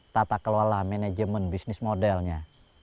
tata kelola manajemen bisnis modelnya